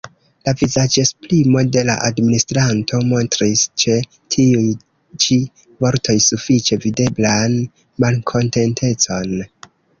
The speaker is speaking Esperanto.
La vizaĝesprimo de la administranto montris ĉe tiuj ĉi vortoj sufiĉe videblan malkontentecon.